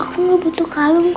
aku mau butuh kalung kak